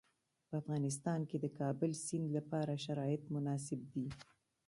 په افغانستان کې د کابل سیند لپاره شرایط مناسب دي.